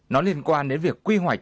nó liên quan đến việc quy hoạch